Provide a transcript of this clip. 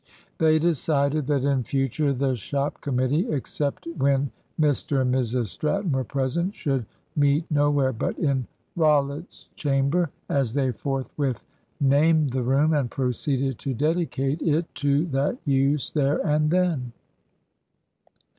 They decided that in future the shop committee, except when Mr and Mrs Stratton were present, should meet nowhere but in "Rollitt's chamber," as they forthwith named the room, and proceeded to dedicate it to that use there and then.